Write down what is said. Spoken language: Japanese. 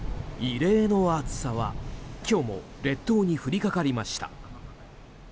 異例の暑さは今日も列島に降りかかりました。